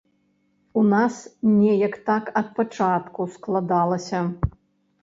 У нас неяк так ад пачатку складалася.